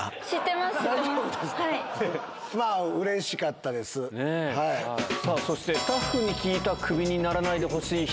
まあ、さあ、そしてスタッフに聞いたクビにならないでほしい人